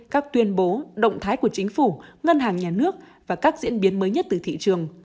các tuyên bố động thái của chính phủ ngân hàng nhà nước và các diễn biến mới nhất từ thị trường